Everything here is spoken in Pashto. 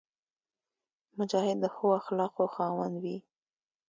مجاهد د ښو اخلاقو خاوند وي.